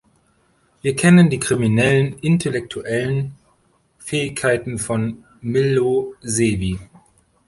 Wir kennen die kriminellen intellektuellen Fähigkeiten von Milosevi.